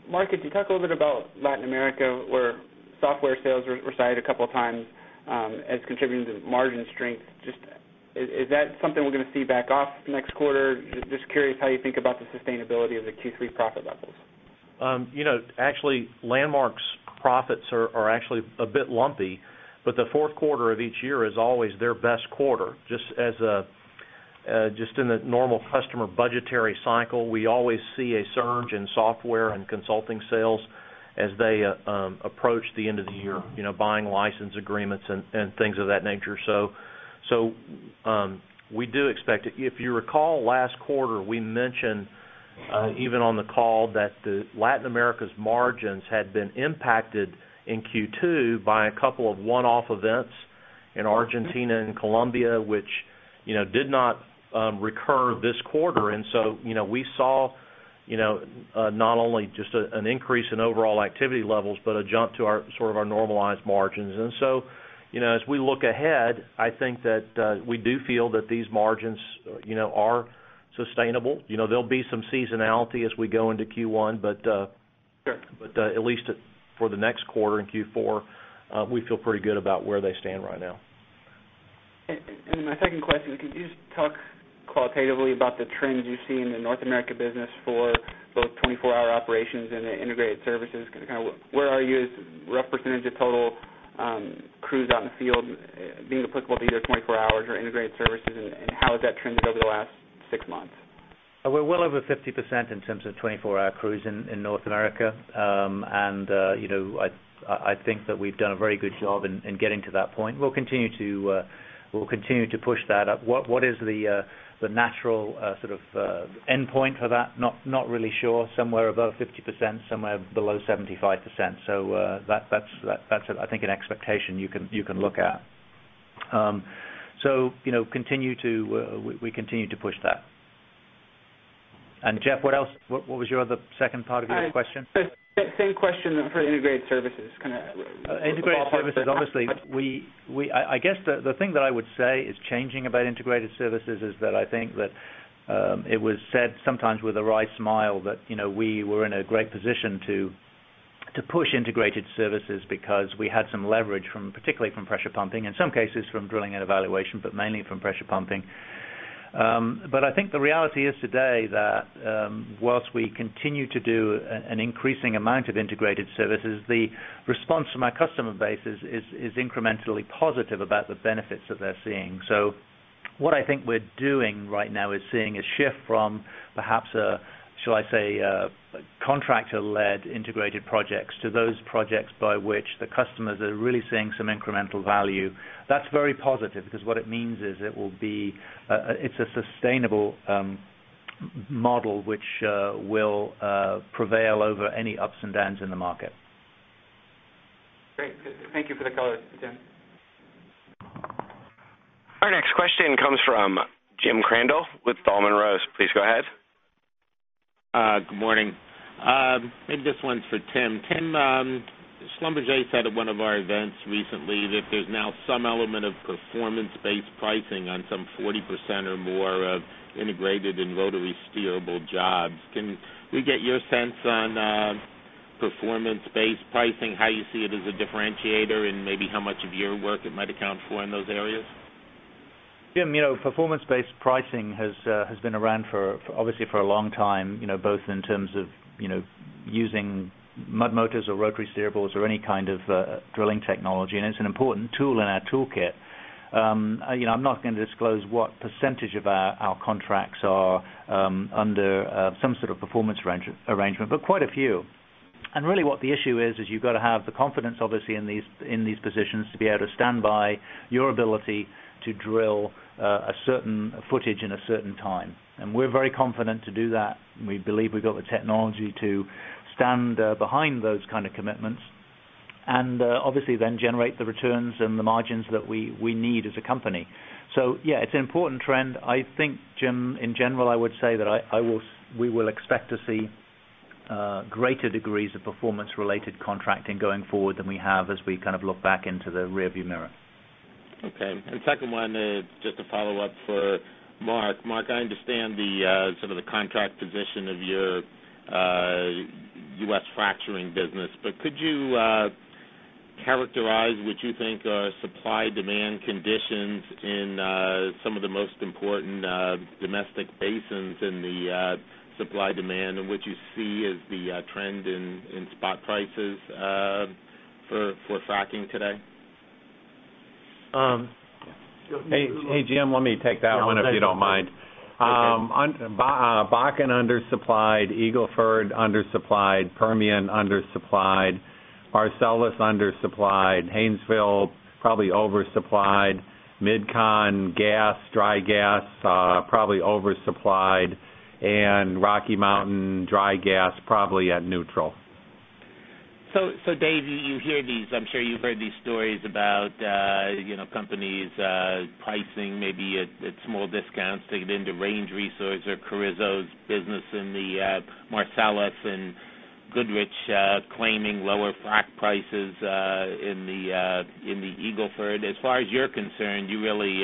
Mark, could you talk a little bit about Latin America, where software sales were cited a couple of times as contributing to margin strength? Is that something we're going to see back off next quarter? I'm just curious how you think about the sustainability of the Q3 profit levels. You know, actually, Landmark's profits are actually a bit lumpy, but the fourth quarter of each year is always their best quarter. Just in a normal customer budgetary cycle, we always see a surge in software and consulting sales as they approach the end of the year, you know, buying license agreements and things of that nature. We do expect it. If you recall last quarter, we mentioned even on the call that Latin America's margins had been impacted in Q2 by a couple of one-off events in Argentina and Colombia, which did not recur this quarter. We saw not only just an increase in overall activity levels, but a jump to sort of our normalized margins. As we look ahead, I think that we do feel that these margins are sustainable. There'll be some seasonality as we go into Q1, but at least for the next quarter in Q4, we feel pretty good about where they stand right now. My second question, could you just talk qualitatively about the trends you've seen in the North America business for both 24-hour operations and integrated services? Where are you as a representative total crews out in the field being applicable to either 24 hours or integrated services, and how has that trended over the last six months? We're well over 50% in terms of 24-hour crews in North America, and I think that we've done a very good job in getting to that point. We'll continue to push that up. What is the natural sort of endpoint for that? Not really sure. Somewhere above 50%, somewhere below 75%. I think that's an expectation you can look at. We continue to push that. Jeff, what else? What was your other second part of your question? Same question for integrated services, kind of. Integrated services, obviously, I guess the thing that I would say is changing about integrated services is that I think that it was said sometimes with a wry smile that, you know, we were in a great position to push integrated services because we had some leverage, particularly from Pressure Pumping, in some cases from Drilling and Evaluation, but mainly from Pressure Pumping. I think the reality is today that whilst we continue to do an increasing amount of integrated services, the response from our customer base is incrementally positive about the benefits that they're seeing. What I think we're doing right now is seeing a shift from perhaps, shall I say, contractor-led integrated projects to those projects by which the customers are really seeing some incremental value. That's very positive because what it means is it will be a sustainable model which will prevail over any ups and downs in the market. Great. Thank you for the color, Tim. Our next question comes from Jim Crandell with Dahlman Rose. Please go ahead. Good morning. Maybe this one's for Tim. Tim, Schlumberger said at one of our events recently that there's now some element of performance-based pricing on some 40% or more of integrated and rotary steerable jobs. Can we get your sense on performance-based pricing, how you see it as a differentiator, and maybe how much of your work it might account for in those areas? Jim, you know, performance-based pricing has been around for a long time, both in terms of using mud motors or rotary steerables or any kind of drilling technology, and it's an important tool in our toolkit. I'm not going to disclose what % of our contracts are under some sort of performance arrangement, but quite a few. What the issue is, is you've got to have the confidence in these positions to be able to stand by your ability to drill a certain footage in a certain time. We're very confident to do that. We believe we've got the technology to stand behind those kind of commitments and then generate the returns and the margins that we need as a company. Yeah, it's an important trend. I think, Jim, in general, I would say that we will expect to see greater degrees of performance-related contracting going forward than we have as we look back into the rearview mirror. Okay. Second one, just a follow-up for Mark. Mark, I understand the sort of the contract position of your U.S. fracturing business, but could you characterize what you think are supply-demand conditions in some of the most important domestic basins in the supply-demand and what you see as the trend in spot prices for fracking today? Hey, Jim, let me take that one if you don't mind. Bakken undersupplied, Eagle Ford undersupplied, Permian undersupplied, Marcellus undersupplied, Haynesville probably oversupplied, Mid-Con gas, dry gas probably oversupplied, and Rocky Mountain dry gas probably at neutral. Dave, you hear these, I'm sure you've heard these stories about companies pricing maybe at small discounts to get into Range Resources or Carrizo's business in the Marcellus and Goodrich claiming lower frack prices in the Eagle Ford. As far as you're concerned, you really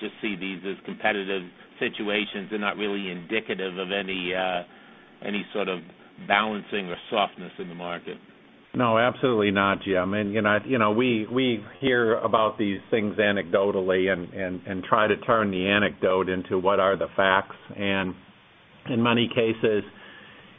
just see these as competitive situations. They're not really indicative of any sort of balancing or softness in the market. No, absolutely not, Jim. You know, we hear about these things anecdotally and try to turn the anecdote into what are the facts. In many cases,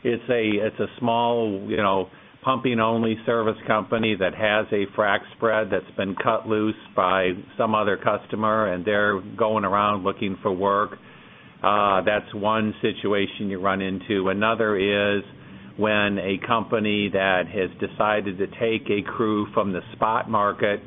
it's a small, you know, pumping-only service company that has a frack spread that's been cut loose by some other customer, and they're going around looking for work. That's one situation you run into. Another is when a company has decided to take a crew from the spot market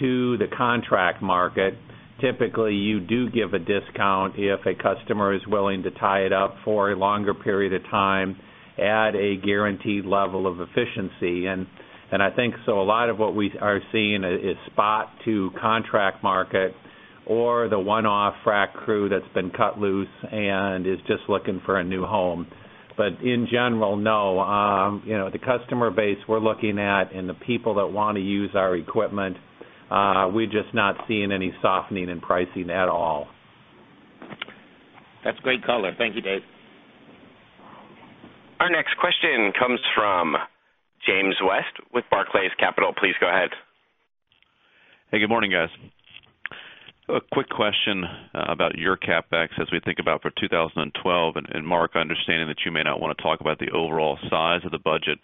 to the contract market. Typically, you do give a discount if a customer is willing to tie it up for a longer period of time at a guaranteed level of efficiency. I think a lot of what we are seeing is spot to contract market or the one-off frack crew that's been cut loose and is just looking for a new home. In general, no, you know, the customer base we're looking at and the people that want to use our equipment, we're just not seeing any softening in pricing at all. That's great color. Thank you, Dave. Our next question comes from James West with Barclays Capital. Please go ahead. Hey, good morning, guys. A quick question about your CapEx as we think about for 2012. Mark, understanding that you may not want to talk about the overall size of the budget,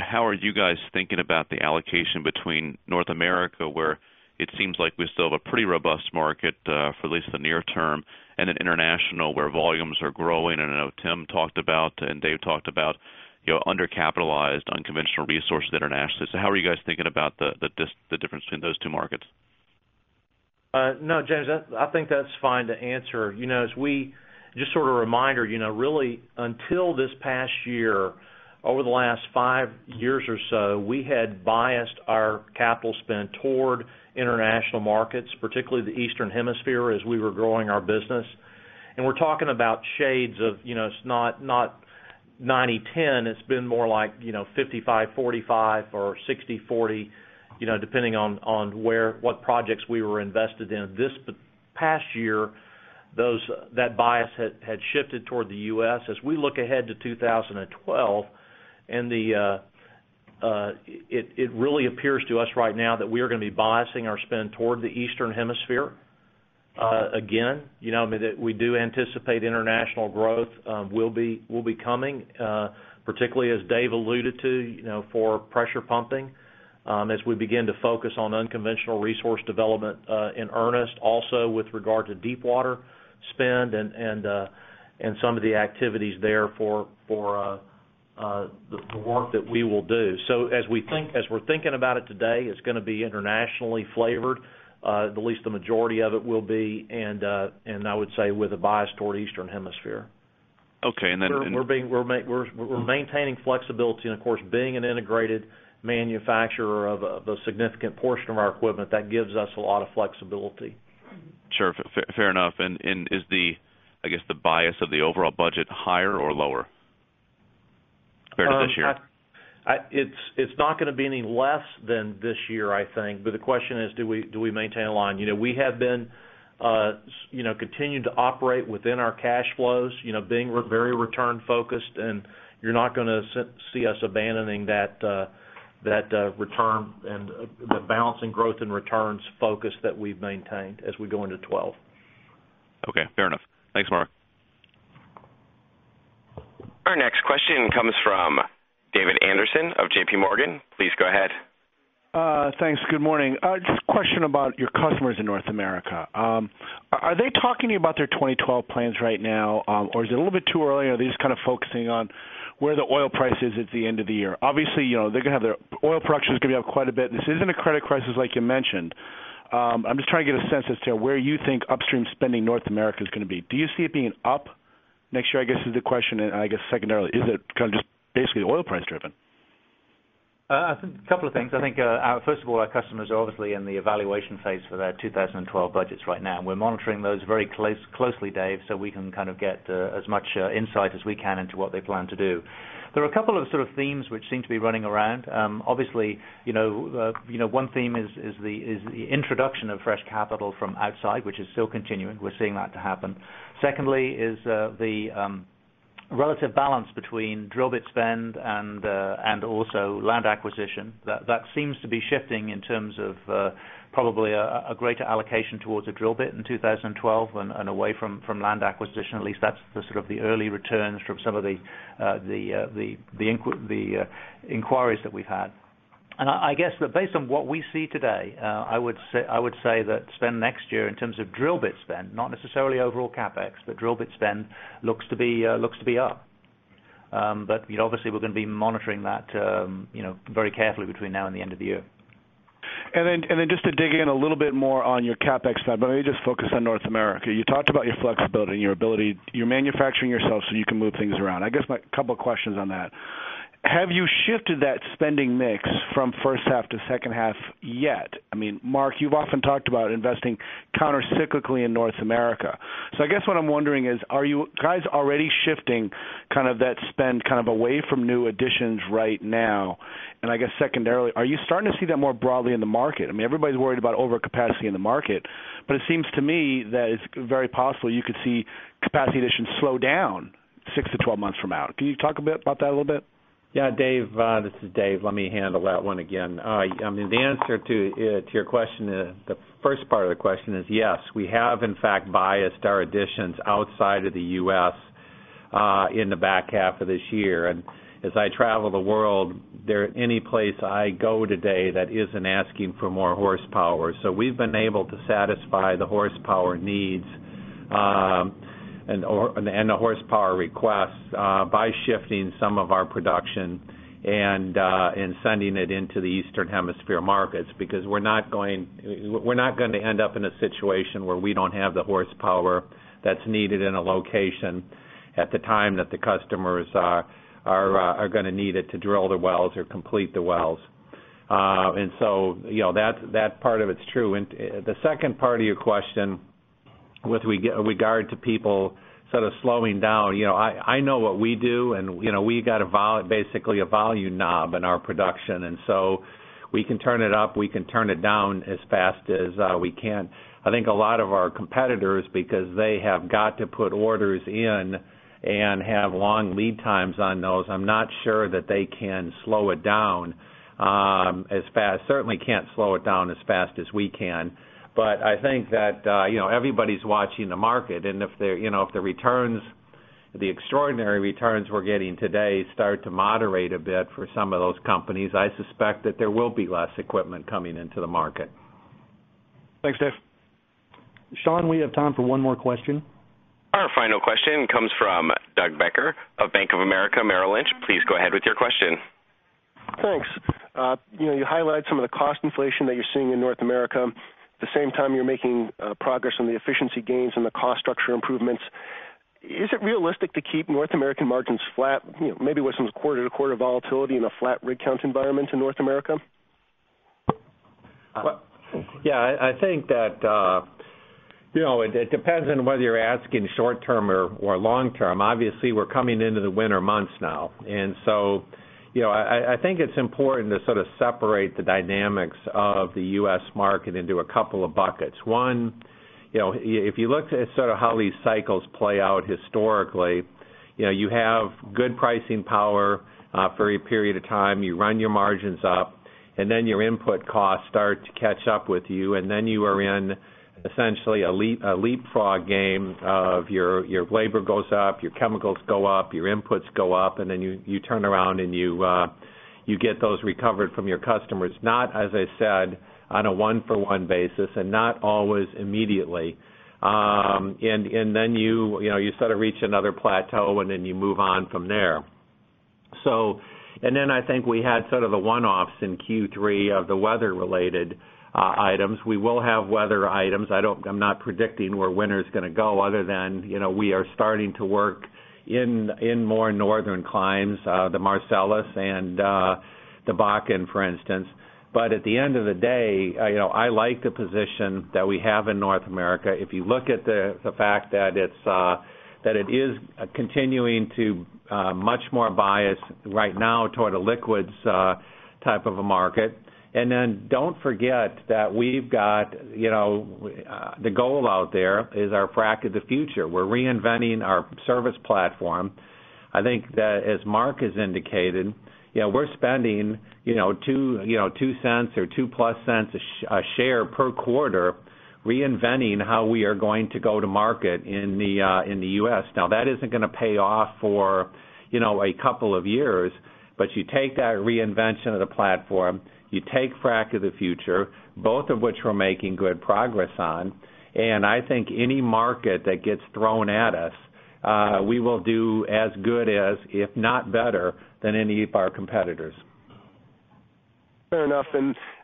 how are you guys thinking about the allocation between North America, where it seems like we still have a pretty robust market for at least the near term, and then international, where volumes are growing? I know Tim talked about and Dave talked about under-capitalized unconventional resource plays internationally. How are you guys thinking about the difference between those two markets? No, James, I think that's fine to answer. As we, just sort of a reminder, really until this past year, over the last five years or so, we had biased our capital spend toward international markets, particularly the Eastern Hemisphere, as we were growing our business. We're talking about shades of, you know, it's not 90/10, it's been more like, you know, 55/45 or 60/40, depending on what projects we were invested in. This past year, that bias had shifted toward the U.S. As we look ahead to 2012, it really appears to us right now that we are going to be biasing our spend toward the Eastern Hemisphere again. We do anticipate international growth will be coming, particularly as Dave alluded to, for pressure pumping, as we begin to focus on unconventional resource development in earnest, also with regard to deepwater spend and some of the activities there for the work that we will do. As we're thinking about it today, it's going to be internationally flavored, at least the majority of it will be, and I would say with a bias toward the Eastern Hemisphere. Okay, then. We're maintaining flexibility, and of course, being an integrated manufacturer of a significant portion of our equipment, that gives us a lot of flexibility. Sure, fair enough. Is the bias of the overall budget higher or lower? It's not going to be any less than this year, I think. The question is, do we maintain a line? We have continued to operate within our cash flows, being very return-focused, and you're not going to see us abandoning that return and the balance and growth and returns focus that we've maintained as we go into 2012. Okay, fair enough. Thanks, Mark. Our next question comes from David Anderson of JPMorgan. Please go ahead. Thanks. Good morning. Just a question about your customers in North America. Are they talking to you about their 2012 plans right now, or is it a little bit too early? Are they just kind of focusing on where the oil price is at the end of the year? Obviously, you know, they're going to have their oil production is going to be up quite a bit. This isn't a credit crisis like you mentioned. I'm just trying to get a sense as to where you think upstream spending in North America is going to be. Do you see it being up next year? I guess is the question, and I guess secondarily, is it kind of just basically oil price driven? I think a couple of things. First of all, our customers are obviously in the evaluation phase for their 2012 budgets right now, and we're monitoring those very closely, Dave, so we can kind of get as much insight as we can into what they plan to do. There are a couple of themes which seem to be running around. Obviously, one theme is the introduction of fresh capital from outside, which is still continuing. We're seeing that happen. Secondly is the relative balance between drill bit spend and also land acquisition. That seems to be shifting in terms of probably a greater allocation towards a drill bit in 2012 and away from land acquisition. At least that's the early returns from some of the inquiries that we've had. I guess that based on what we see today, I would say that spend next year in terms of drill bit spend, not necessarily overall CapEx, but drill bit spend looks to be up. Obviously, we're going to be monitoring that very carefully between now and the end of the year. To dig in a little bit more on your CapEx side, let me just focus on North America. You talked about your flexibility and your ability, you're manufacturing yourself so you can move things around. I guess a couple of questions on that. Have you shifted that spending mix from first half to second half yet? Mark, you've often talked about investing countercyclically in North America. What I'm wondering is, are you guys already shifting kind of that spend away from new additions right now? Secondarily, are you starting to see that more broadly in the market? Everybody's worried about overcapacity in the market, but it seems to me that it's very possible you could see capacity additions slow down 6-12 months from now. Can you talk a bit about that? Yeah, Dave, this is Dave. Let me handle that one again. The answer to your question, the first part of the question is yes, we have in fact biased our additions outside of the U.S. in the back half of this year. As I travel the world, there is any place I go today that isn't asking for more horsepower. We've been able to satisfy the horsepower needs and the horsepower requests by shifting some of our production and sending it into the Eastern Hemisphere markets because we're not going to end up in a situation where we don't have the horsepower that's needed in a location at the time that the customers are going to need it to drill the wells or complete the wells. That part of it's true. The second part of your question with regard to people sort of slowing down, I know what we do and we got basically a volume knob in our production. We can turn it up, we can turn it down as fast as we can. I think a lot of our competitors, because they have got to put orders in and have long lead times on those, I'm not sure that they can slow it down as fast. Certainly can't slow it down as fast as we can. I think that everybody's watching the market and if the returns, the extraordinary returns we're getting today start to moderate a bit for some of those companies, I suspect that there will be less equipment coming into the market. Thanks, Dave. Sean, we have time for one more question. Our final question comes from Doug Becker of Bank of America Merrill Lynch. Please go ahead with your question. Thanks. You know, you highlight some of the cost inflation that you're seeing in North America. At the same time, you're making progress on the efficiency gains and the cost structure improvements. Is it realistic to keep North American margins flat, maybe with some quarter-to-quarter volatility in a flat rig count environment in North America? Yeah, I think that it depends on whether you're asking short-term or long-term. Obviously, we're coming into the winter months now. I think it's important to sort of separate the dynamics of the U.S. market into a couple of buckets. One, if you look at sort of how these cycles play out historically, you have good pricing power for a period of time, you run your margins up, and then your input costs start to catch up with you, and then you are in essentially a leapfrog game of your labor goes up, your chemicals go up, your inputs go up, and then you turn around and you get those recovered from your customers. Not, as I said, on a one-for-one basis and not always immediately. You sort of reach another plateau and then you move on from there. I think we had sort of the one-offs in Q3 of the weather-related items. We will have weather items. I'm not predicting where winter is going to go other than we are starting to work in more northern climes, the Marcellus and the Bakken, for instance. At the end of the day, I like the position that we have in North America. If you look at the fact that it is continuing to much more bias right now toward a liquids type of a market. Don't forget that we've got the goal out there is our frack of the future. We're reinventing our service platform. I think that as Mark has indicated, we're spending $0.02 or $0.02+ a share per quarter, reinventing how we are going to go to market in the U.S. That isn't going to pay off for a couple of years, but you take that reinvention of the platform, you take frack of the future, both of which we're making good progress on. I think any market that gets thrown at us, we will do as good as, if not better, than any of our competitors. Fair enough.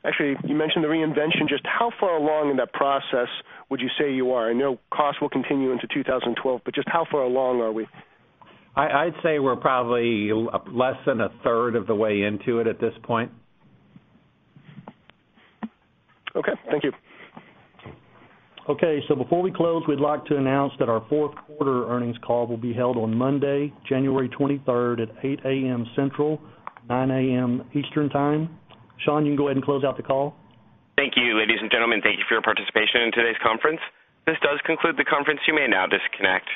Actually, you mentioned the reinvention. Just how far along in that process would you say you are? I know costs will continue into 2012, but just how far along are we? I'd say we're probably less than a third of the way into it at this point. Okay, thank you. Before we close, we'd like to announce that our fourth quarter earnings call will be held on Monday, January 23rd, at 8:00 A.M. Central, 9:00 A.M. Eastern Time. Sean, you can go ahead and close out the call. Thank you, ladies and gentlemen. Thank you for your participation in today's conference. This does conclude the conference. You may now disconnect.